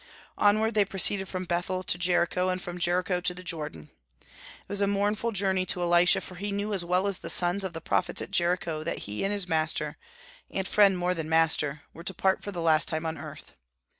Onward they proceeded from Bethel to Jericho, and from Jericho to the Jordan. It was a mournful journey to Elisha, for he knew as well as the sons of the prophets at Jericho that he and his master, and friend more than master, were to part for the last time on earth.